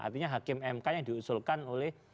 artinya hakim mk yang diusulkan oleh